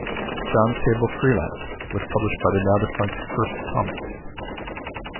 "Jon Sable Freelance" was published by the now-defunct First Comics.